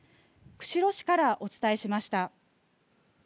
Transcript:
釧路市からお伝えしました。